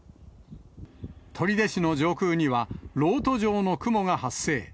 取手市の上空には、漏斗状の雲が発生。